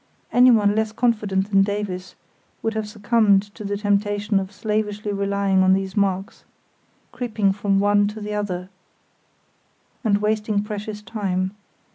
Anyone less confident than Davies would have succumbed to the temptation of slavishly relying on these marks, creeping from one to the other, and wasting precious time.